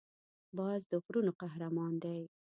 باز د غرونو قهرمان دی